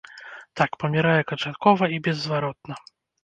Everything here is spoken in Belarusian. Так, памірае канчаткова і беззваротна.